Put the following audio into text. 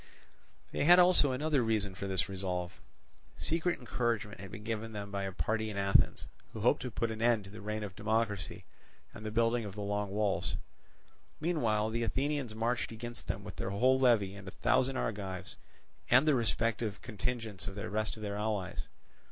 They had also another reason for this resolve. Secret encouragement had been given them by a party in Athens, who hoped to put an end to the reign of democracy and the building of the Long Walls. Meanwhile the Athenians marched against them with their whole levy and a thousand Argives and the respective contingents of the rest of their allies.